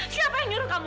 siapa yang suruh kamu